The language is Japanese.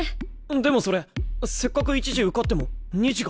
でもそれせっかく１次受かっても２次が。